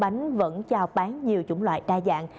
bánh vẫn cho bán nhiều chủng loại đa dạng